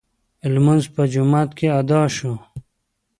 لمونځ په جومات کې ادا شو.